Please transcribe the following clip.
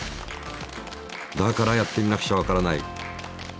だからやってみなくちゃわからない「大科学実験」で。